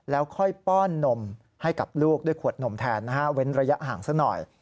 แล้วค่อยป้อนนมให้กับลูกด้วยขวดนมแทนนะฮะเว้นระยะห่างซะหน่อย